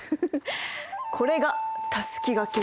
これがたすきがけ。